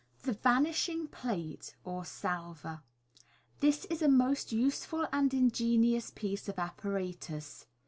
The Vanishing Platb, or Salver.— This is a most useful and ingenious piece of apparatus.